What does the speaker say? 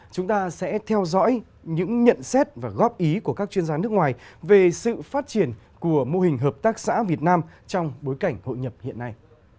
chúng ta sẽ theo dõi những nhận xét và góp ý của các chuyên gia nước ngoài về sự phát triển của mô hình hợp tác xã việt nam trong bối cảnh hội nhập hiện nay